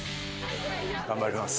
頑張ります。